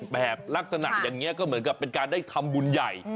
แบบลักษณะอย่างนี้ก็เหมือนกับเป็นการได้ทำบุญใหญ่